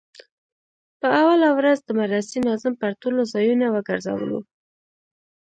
په اوله ورځ د مدرسې ناظم پر ټولو ځايونو وگرځولو.